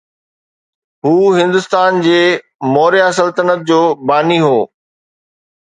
هو هندستان جي موريا سلطنت جو باني هو